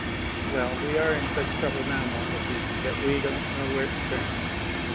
Well! we are in such trouble now, mon petit, that we don't know where to turn.